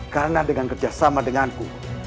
karena dengan kerjasama denganku